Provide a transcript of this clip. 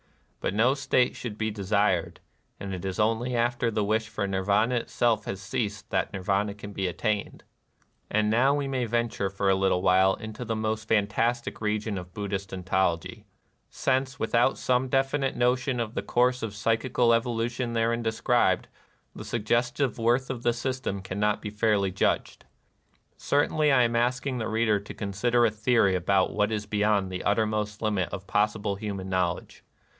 But no state should be desired ; and it is only after the wish for Nir vana itself has ceased that Nirvana can be attained. And now we may venture for a little while into the most fantastic region of Buddhist ontology, — since, without some definite notion of the course of psychical evolution therein described, the suggestive worth of the system cannot be fairly judged. Certainly I am ask ing the reader to consider a theory about what is beyond the uttermost limit of possible hu man knowledge.